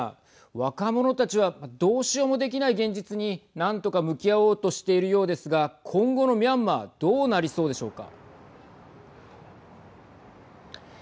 若者たちはどうしようもできない現実に何とか向き合おうとしているようですが今後のミャンマーどうなりそうでしょうか。